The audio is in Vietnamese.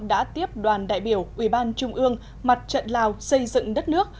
đã tiếp đoàn đại biểu ủy ban trung ương mặt trận lào xây dựng đất nước